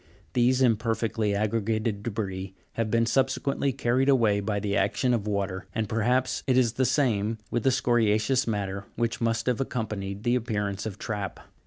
These im perfectly aggregated debris have been subsequently carried away by the action of water, and perhaps it is the same with the scoria'ceous matter which must have accompanied the appearance of trap.